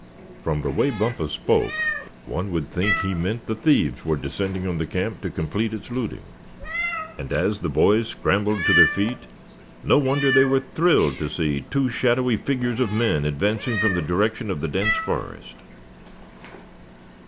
From the way Bumpus spoke, one would think he meant the thieves were descending on the camp to complete its looting; and as the boys scrambled to their feet, no wonder they were thrilled to see two shadowy figures of men advancing from the direction of the dense forest!